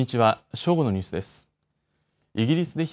正午のニュースです。